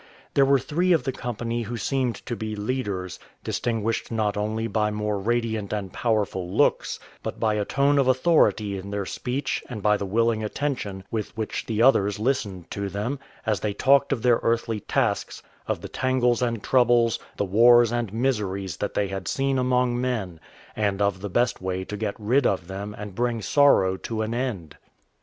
There were three of the company who seemed to be leaders, distinguished not only by more radiant and powerful looks, but by a tone of authority in their speech and by the willing attention with which the others listened to them, as they talked of their earthly tasks, of the tangles and troubles, the wars and miseries that they had seen among men, and of the best way to get rid of them and bring sorrow to an end.